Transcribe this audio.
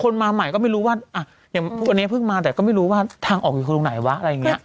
มาใหม่ก็ไม่รู้ว่าอ่ะอย่างวันนี้เพิ่งมาแต่ก็ไม่รู้ว่าทางออกอยู่ตรงไหนวะอะไรอย่างนี้